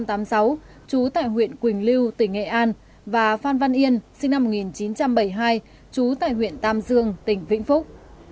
trú tại huyện quỳnh lưu tỉnh nghệ an và phan văn yên sinh năm một nghìn chín trăm bảy mươi hai trú tại huyện tam dương tỉnh vĩnh phúc